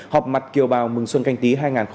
họp mặt kiều bào mừng xuân canh tí hai nghìn hai mươi